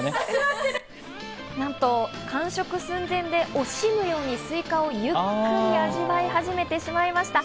なんと完食寸前で惜しむようにスイカをゆっくり味わい始めてしまいました。